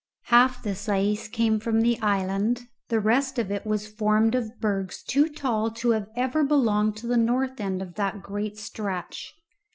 Half this ice came from the island, the rest of it was formed of bergs too tall to have ever belonged to the north end of that great stretch.